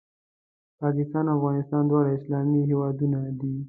پاکستان او افغانستان دواړه اسلامي هېوادونه دي